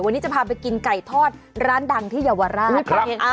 วันนี้จะพาไปกินไก่ทอดร้านดังที่เยาวราช